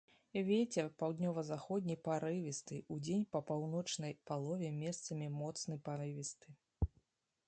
Вецер паўднёва-заходні парывісты, удзень па паўночнай палове месцамі моцны парывісты.